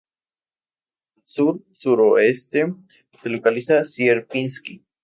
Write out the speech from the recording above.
Al sur-sureste se localiza Sierpinski.